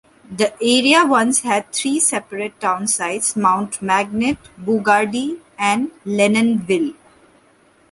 The area once had three separate town sites - Mount Magnet, Boogardie, and Lennonville.